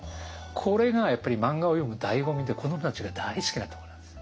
これがやっぱり漫画を読む醍醐味で子どもたちが大好きなとこなんです。